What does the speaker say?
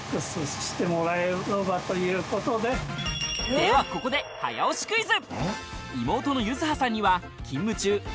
ではここで早押しクイズ！